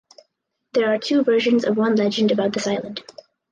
There are two versions of one legend about this island.